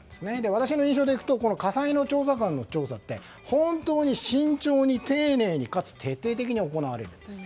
私の印象でいくと家裁の調査官の調査って本当に慎重に丁寧にかつ徹底的に行われるんです。